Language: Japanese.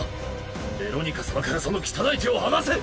ベロニカ様からその汚い手を放せ！